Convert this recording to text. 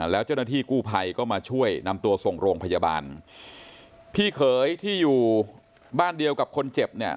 แล้วเจ้าหน้าที่กู้ภัยก็มาช่วยนำตัวส่งโรงพยาบาลพี่เขยที่อยู่บ้านเดียวกับคนเจ็บเนี่ย